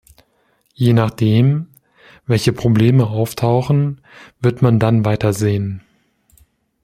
Je nachdem, welche Probleme auftauchen, wird man dann weitersehen.